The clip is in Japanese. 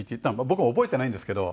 僕も覚えていないんですけど。